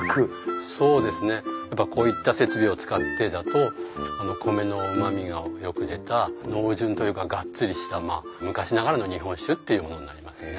そうですねやっぱこういった設備を使ってだと米のうまみがよく出た濃醇というかがっつりしたまあ昔ながらの日本酒っていうものになりますね。